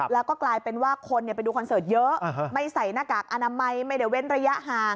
แล้วก็กลายเป็นว่าคนไปดูคอนเสิร์ตเยอะไม่ใส่หน้ากากอนามัยไม่ได้เว้นระยะห่าง